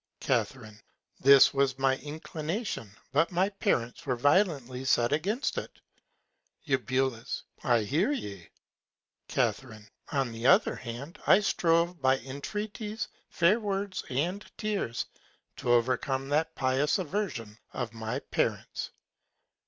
Ca. This was my Inclination; but my Parents were violently set against it. Eu. I hear ye. Ca. On the other Hand, I strove by Intreaties, fair Words, and Tears, to overcome that pious Aversion of my Parents.